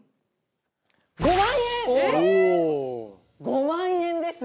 ５万円です！